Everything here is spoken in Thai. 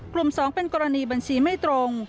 ๒เป็นกรณีบัญชีไม่ตรง